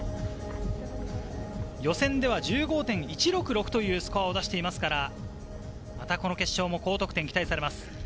予選では１５．１６６というスコアを出していますから、またこの決勝も高得点が期待されます。